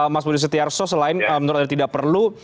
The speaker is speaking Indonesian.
mas budi setiarso selain menurut anda tidak perlu